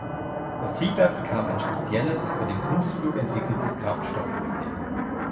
Das Triebwerk bekam ein spezielles, für den Kunstflug entwickeltes Kraftstoffsystem.